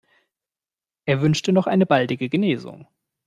Er wünschte noch eine baldige Genesung.